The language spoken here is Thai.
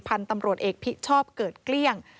พันธุ์ตำรวจเอกพิชอบเกิดเกลี้ยง